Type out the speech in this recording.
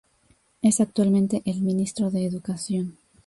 Es actualmente el ministro de educación.